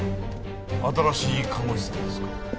新しい看護師さんですか？